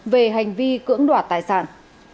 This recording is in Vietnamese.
về hành vi cưỡng đoạt tài sản